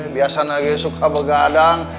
biasanya lagi suka bergadang